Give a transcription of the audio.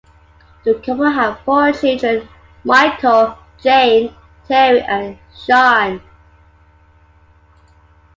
The couple had four children, Michael, Jane, Terry and Sean.